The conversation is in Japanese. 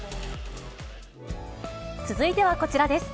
続いてはこちらです。